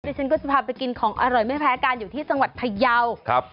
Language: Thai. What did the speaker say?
ฉันก็จะพาไปกินของอร่อยไม่แพ้กันอยู่ที่จังหวัดพยาวครับ